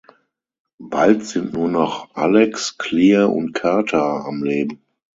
Bald sind nur noch Alex, Clear und Carter am Leben.